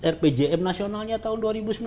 rpjm nasionalnya tahun dua ribu sembilan belas